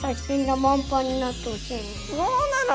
そうなの？